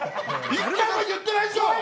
１回も言ってないっしょ！